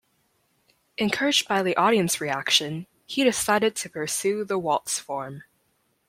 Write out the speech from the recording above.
Encouraged by the audience reaction, he decided to pursue the waltz form.